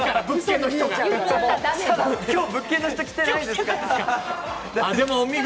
今日、物件の人、来てないですから。